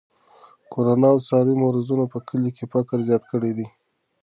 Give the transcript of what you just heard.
کرونا او د څارویو مرضونو په کلي کې فقر زیات کړی دی.